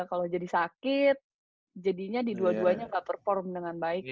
kalau jadi sakit jadinya di dua duanya nggak perform dengan baik